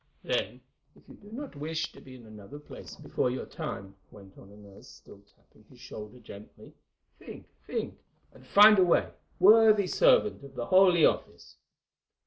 "Then, if you do not wish to be in another place before your time," went on Inez, still tapping his shoulder gently, "think, think! and find a way, worthy servant of the Holy Office."